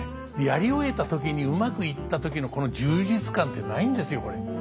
やり終えた時にうまくいった時のこの充実感ってないんですよこれ。